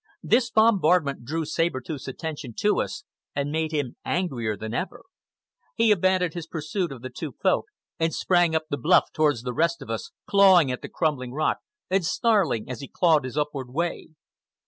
This bombardment drew Saber Tooth's attention to us and made him angrier than ever. He abandoned his pursuit of the two Folk and sprang up the bluff toward the rest of us, clawing at the crumbling rock and snarling as he clawed his upward way.